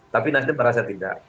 tapi nasdem merasa tidak